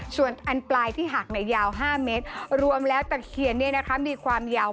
ส่วนอันปลายที่หักยาว๕เมตรรวมแล้วตะเคียนมีความยาว